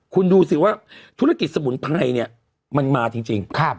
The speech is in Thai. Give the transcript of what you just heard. คุณดูสิว่าธุรกิจสมุนไพรเนี่ยมันมาจริง